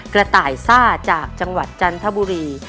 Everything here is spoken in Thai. กระต่ายซ่าจากจังหวัดจันทบุรี